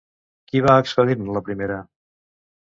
Qui va expedir-ne la primera?